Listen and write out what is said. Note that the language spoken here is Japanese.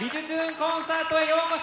コンサート」へようこそ！